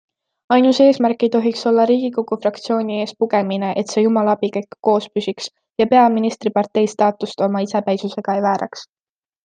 Ainus eesmärk ei tohiks olla riigikogu fraktsiooni ees pugemine, et see jumala abiga ikka koos püsiks ja peaministripartei staatust oma isepäisusega ei vääraks.